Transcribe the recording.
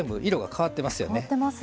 変わってますね。